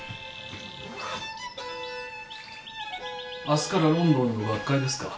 明日からロンドンの学会ですか？